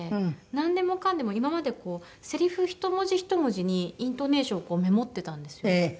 なんでもかんでも今までこうせりふ一文字一文字にイントネーションをメモってたんですよ。